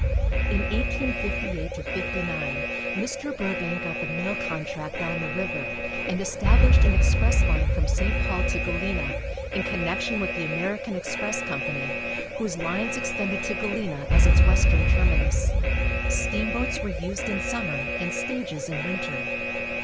In 1858 59 Mr. Burbank got the mail contract down the river, and established an express line from St. Paul to Galena, in connection with the American Express Company, whose lines extended to Galena as its western terminus. Steamboats were used in summer and stages in winter.